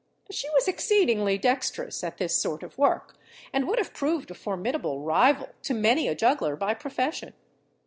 She was exceedingly dexterous at this sort of work, and would have proved a formidable rival to many a juggler by profession.